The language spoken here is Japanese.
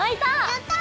やった！